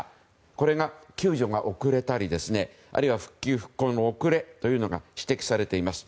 これが救助が遅れたりあるいは復旧・復興の遅れが指摘されています。